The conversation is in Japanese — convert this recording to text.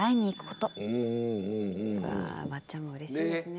わあばっちゃんもうれしいですね。